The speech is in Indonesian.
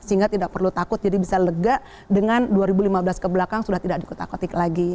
sehingga tidak perlu takut jadi bisa lega dengan dua ribu lima belas kebelakang sudah tidak dikotak kotik lagi